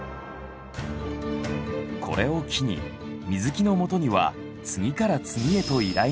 これを機に水木のもとには次から次へと依頼が舞い込んだ。